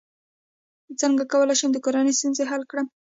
څنګه کولی شم د کورنۍ ستونزې حل کړم